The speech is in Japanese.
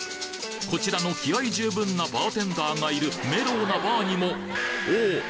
こちらの気合十分なバーテンダーがいるメロウなバーにもおぉ！